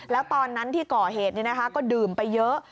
แล้วตอนนั้นที่ก่อเหตุเนี่ยนะคะก็ดื่มไปเยอะ